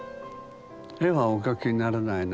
絵はお描きにならないの？